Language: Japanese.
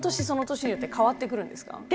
その年によって変わってくるんですか？